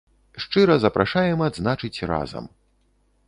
Шчыра запрашаем адзначыць разам.